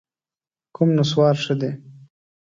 کوم نسوار ښه دي؟